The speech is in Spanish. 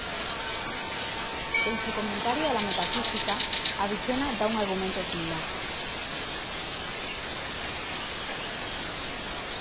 En su comentario a la "Metafísica", Avicena da un argumento similar.